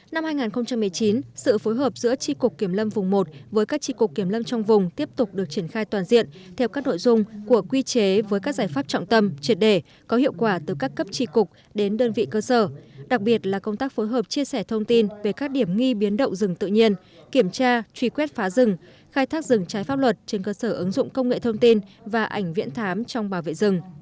năm hai nghìn một mươi chín sự phối hợp giữa tri cục kiểm lâm vùng một với các tri cục kiểm lâm trong vùng tiếp tục được triển khai toàn diện theo các nội dung của quy chế với các giải pháp trọng tâm triệt đề có hiệu quả từ các cấp tri cục đến đơn vị cơ sở đặc biệt là công tác phối hợp chia sẻ thông tin về các điểm nghi biến động rừng tự nhiên kiểm tra truy quét phá rừng khai thác rừng trái pháp luật trên cơ sở ứng dụng công nghệ thông tin và ảnh viễn thám trong bảo vệ rừng